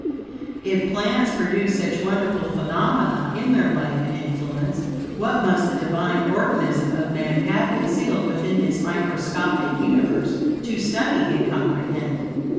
If plants produce such wonderful phenomena in their life and influence, what must the Divine organism of man have concealed within his microscopic universe, to study and comprehend?